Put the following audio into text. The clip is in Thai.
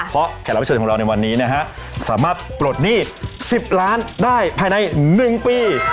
เพราะแขกรับเชิญของเราในวันนี้นะฮะสามารถปลดหนี้๑๐ล้านได้ภายใน๑ปี